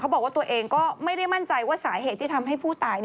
บอกว่าตัวเองก็ไม่ได้มั่นใจว่าสาเหตุที่ทำให้ผู้ตาย